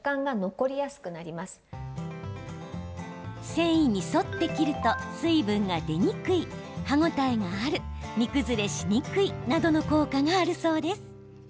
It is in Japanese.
繊維に沿って切ると水分が出にくい、歯応えがある煮崩れしにくいなどの効果があるそうです。